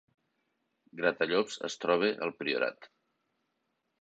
Gratallops es troba al Priorat